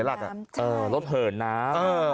แล้วเหดน้ำ